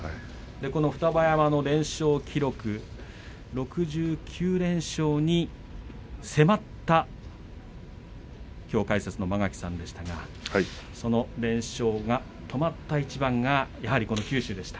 双葉山の連勝記録６９連勝に迫った間垣さんでしたがその連勝が止まった一番がやはりこの九州でした。